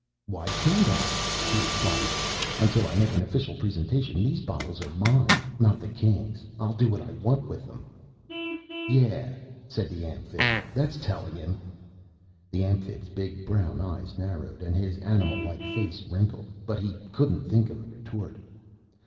"Why can't I?" he replied. "Until I make an official presentation, these bottles are mine, not the Kings'. I'll do what I want with them." "Yeah," said the Amphibs. "That's telling him!" The Amphib's big brown eyes narrowed and his animal like face wrinkled, but he couldn't think of a retort.